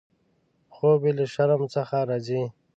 خوب یې له شرم څخه راځي.